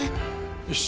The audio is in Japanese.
よし。